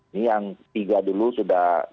ini yang tiga dulu sudah